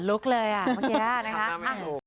ลุกเลยเมื่อกี้แล้วนะครับ